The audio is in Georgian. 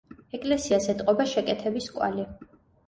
ეკლესიას ეტყობა შეკეთების კვალი.